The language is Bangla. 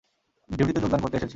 ডিউটিতে যোগদান করতে এসেছি।